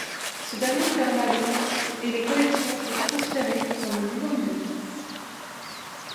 Ce dernier ferma le et les collections furent transférées dans le nouveau musée.